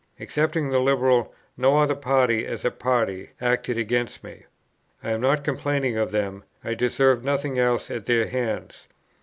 Excepting the Liberal, no other party, as a party, acted against me. I am not complaining of them; I deserved nothing else at their hands.